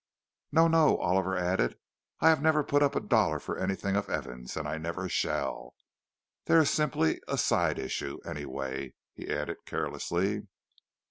"No, no," Oliver added. "I have never put up a dollar for anything of Evans's, and I never shall.—They are simply a side issue, anyway," he added carelessly.